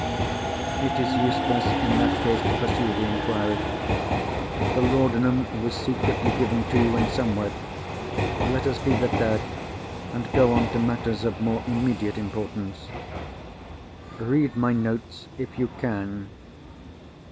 "It is useless, in that case, to pursue the inquiry. The laudanum was secretly given to you in some way. Let us leave it there, and go on to matters of more immediate importance. Read my notes, if you can.